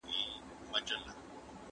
خپل ذهن له هر ډول بدګمانۍ پاک وساتئ.